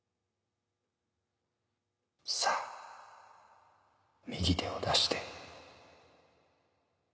さぁ右手を出して。